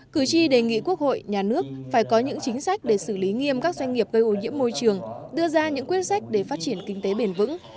cử tri đề nghị quốc hội nhà nước phải có những chính sách để xử lý nghiêm các doanh nghiệp gây ô nhiễm môi trường đưa ra những quyết sách để phát triển kinh tế bền vững